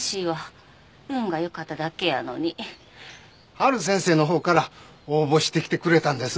陽先生のほうから応募してきてくれたんです。